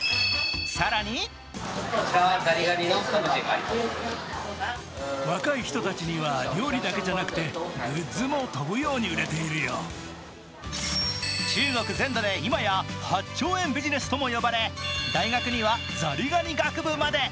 更に中国全土で今や８兆円ビジネスとも呼ばれ大学にはザリガニ学部まで。